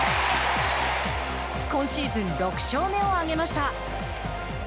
今シーズン６勝目を挙げました。